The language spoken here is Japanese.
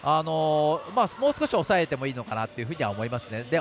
もう少し抑えてもいいのかなとも思います。